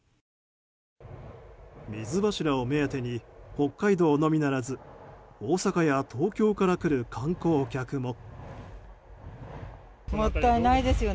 水柱を目当てに北海道のみならず大阪や東京から来る観光客も。